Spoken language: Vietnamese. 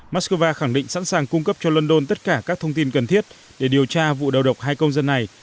moscow khẳng định sẵn sàng cung cấp cho london tất cả các thông tin cần thiết để điều tra vụ đầu độc hai công dân này